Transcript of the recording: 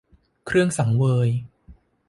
เครื่องสังเวย